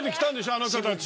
あなたたち。